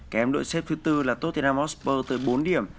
kém đội xếp thứ bốn là tottenham hotspur tới bốn điểm